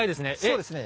そうですね。